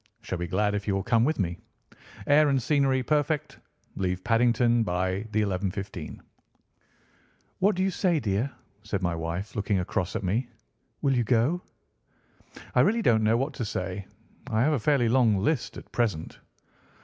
Shall be glad if you will come with me. Air and scenery perfect. Leave Paddington by the 11:15." "What do you say, dear?" said my wife, looking across at me. "Will you go?" "I really don't know what to say. I have a fairly long list at present."